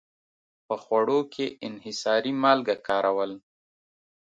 په خوړو کې انحصاري مالګه کارول.